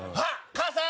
母さん！